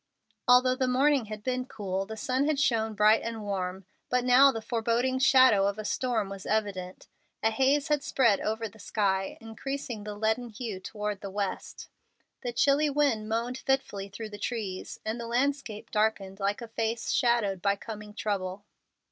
Although the morning had been cool, the sun had shone bright and warm, but now the fore shadowing of a storm was evident. A haze had spread over the sky, increasing in leaden hue toward the west. The chilly wind moaned fitfully through the trees, and the landscape darkened like a face shadowed by coming trouble.